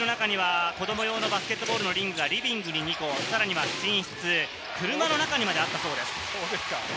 おうちの中には子ども用のバスケットゴールのリングがリビングに２個、さらには寝室、車の中にまであったそうです。